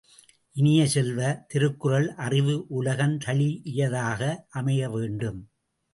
இனிய செல்வ, திருக்குறள் அறிவு உலகந்தழீஇயதாக அமைய வேண்டும்.